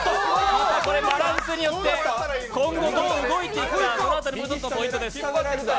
これ、バランスによって今後どう動いていくか、その辺りもポイントです。